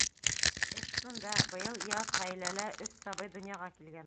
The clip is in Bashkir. Эш шунда: быйыл яҙ ғаиләлә өс сабый донъяға килгән.